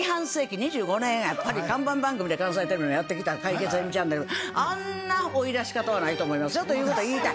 ２５年看板番組で関西テレビのやってきた『快傑えみちゃんねる』あんな追い出し方はないと思いますよということを言いたい。